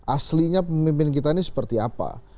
aslinya pemimpin kita ini seperti apa